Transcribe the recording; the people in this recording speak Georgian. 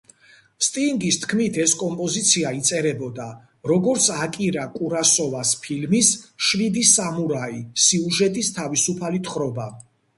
სტინგის თქმით, ეს კომპოზიცია იწერებოდა, როგორც აკირა კუროსავას ფილმის შვიდი სამურაი სიუჟეტის თავისუფალი თხრობა.